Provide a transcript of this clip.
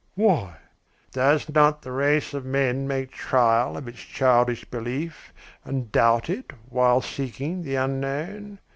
"Why?" "Does not the race of man make trial of its childish belief and doubt it while seeking the unknown?